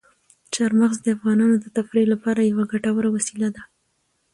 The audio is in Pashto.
چار مغز د افغانانو د تفریح لپاره یوه ګټوره وسیله ده.